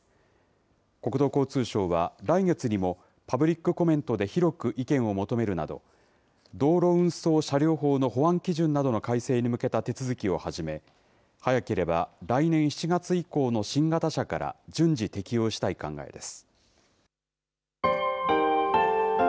国土交通省は、来月にも、パブリックコメントで広く意見を求めるなど、道路運送車両法の保安基準などの改正に向けた手続きを始め、早ければ来年７月以降の新型車から順次適用したい考えです。